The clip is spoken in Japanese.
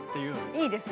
いいですね。